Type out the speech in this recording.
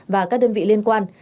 và các đơn vị liên quan